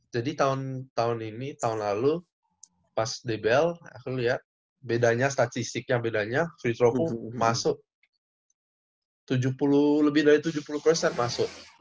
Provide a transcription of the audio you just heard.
jadi tahun ini tahun lalu pas dbl aku lihat bedanya statistiknya free throw ku masuk lebih dari tujuh puluh masuk